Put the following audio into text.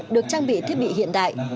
được trang bị thiết bị hiện đại